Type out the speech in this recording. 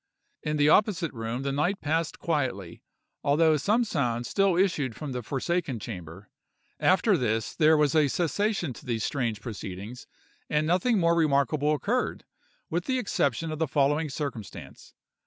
In the opposite room the night passed quietly, although some sounds still issued from the forsaken chamber. After this there was a cessation to these strange proceedings, and nothing more remarkable occurred, with the exception of the following circumstance.